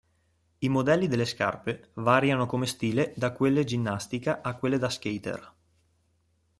I modelli delle scarpe variano come stile da quelle ginnastica a quelle da "skater".